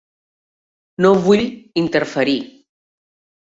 No vull interferir.